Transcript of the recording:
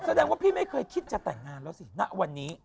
แสดงว่าพี่ไม่เคยคิดจะแต่งงานแล้วสิณวันนี้